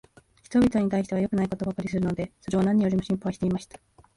人びとに対しては良くないことばかりするので、それを何よりも心配していました。